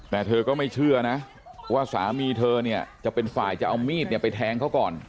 แต่เธอก็ไม่เชื่อนะว่าสามีเธอเนี่ยจะเป็นฝ่ายจะเอามีดไปแทงเขาก่อน